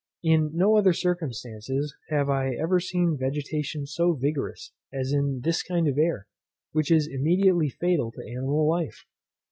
In no other circumstances have I ever seen vegetation so vigorous as in this kind of air, which is immediately fatal to animal life.